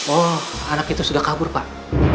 oh anak itu sudah kabur pak